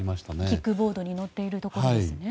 キックボードに乗っているところですね。